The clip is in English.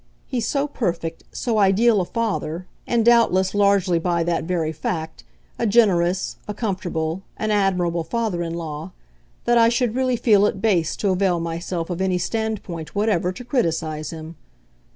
He's so perfect, so ideal a father, and, doubtless largely by that very fact, a generous, a comfortable, an admirable father in law, that I should really feel it base to avail myself of any standpoint whatever to criticise him.